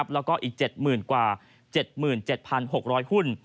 แล้วก็อีก๗๐๐๐กว่า๗๗๖๐๐หุ้น